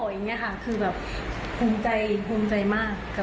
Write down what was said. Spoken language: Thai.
อย่างนี้ค่ะคือแบบภูมิใจภูมิใจมาก